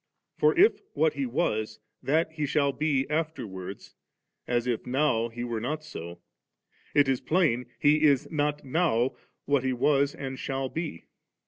For if, what He was, that He shall be afterwards, as if now He were not so, it is plain, He is not now what He was and shall be.